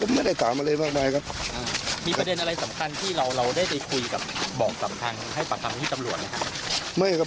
ไม่ประเด็นตรงนั้นไม่มีครับ